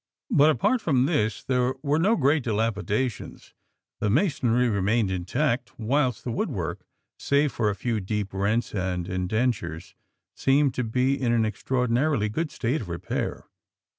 But apart from this there were no very great dilapidations, the masonry remaining intact, whilst the woodwork, save for a few deep rents and indentures, seemed to be in an extraordinarily good state of repair.